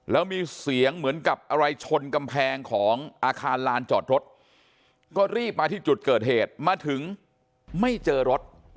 แล้วมีเสียงเหมือนกับอะไรชนกำแพงของอาคารลานจอดรถก็รีบมาที่จุดเกิดเหตุมาถึงไม่เจอรถ